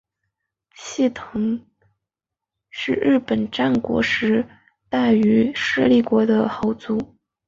细野藤敦是日本战国时代于伊势国的豪族。